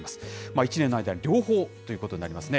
１年の間に両方ということになりますね。